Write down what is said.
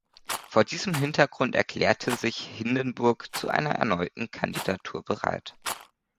Vor diesem Hintergrund erklärte sich Hindenburg zu einer erneuten Kandidatur bereit.